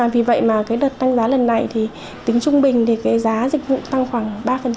vì vậy mà cái đợt tăng giá lần này thì tính trung bình thì cái giá dịch vụ tăng khoảng ba